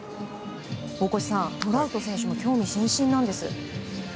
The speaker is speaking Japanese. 大越さん、トラウト選手も興味津々なんです。